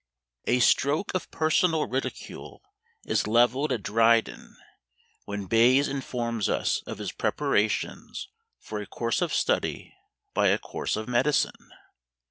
A stroke of personal ridicule is levelled at Dryden, when Bayes informs us of his preparations for a course of study by a course of medicine!